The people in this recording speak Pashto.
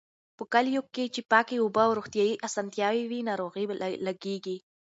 په کليو کې چې پاکې اوبه او روغتيايي اسانتیاوې وي، ناروغۍ لږېږي.